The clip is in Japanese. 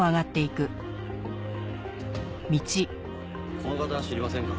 この方知りませんか？